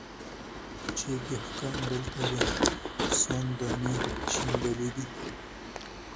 چي دهقان دلته د سونډ دانې شیندلې